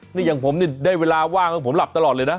นี่อย่างผมนี่ได้เวลาว่างแล้วผมหลับตลอดเลยนะ